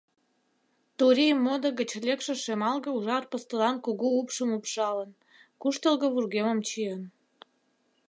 Турий модо гыч лекше шемалге ужар пыстылан кугу упшым упшалын, куштылго вургемым чиен.